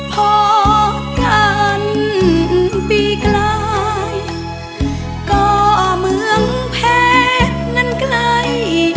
พอกันปีไกลก็เมืองเพชรนั้นไกล